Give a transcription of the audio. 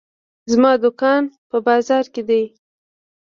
زما دوکان په بازار کې ده.